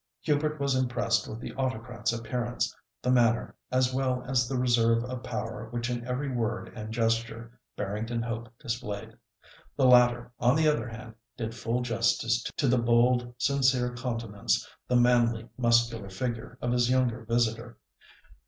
Hubert was impressed with the autocrat's appearance, the manner, as well as the reserve of power which in every word and gesture Barrington Hope displayed. The latter, on the other hand, did full justice to the bold, sincere countenance, the manly, muscular figure of his young visitor.